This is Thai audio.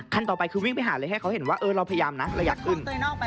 ต่อไปคือวิ่งไปหาเลยให้เขาเห็นว่าเราพยายามนะเราอยากขึ้น